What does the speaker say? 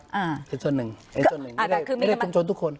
ครับอ่าเป็นส่วนหนึ่งเป็นส่วนหนึ่งอ่าแต่คือไม่ได้ไม่ได้ชุมชนทุกคน